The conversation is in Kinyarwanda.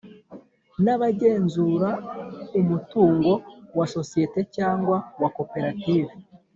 Nabagenzura umutungo wa sosiyete cyangwa wa koperative